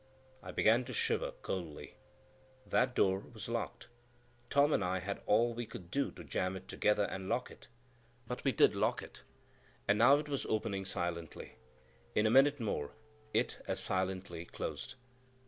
I began to shiver coldly. That door was locked; Tom and I had all we could do to jam it together and lock it. But we did lock it; and now it was opening silently. In a minute more it as silently closed.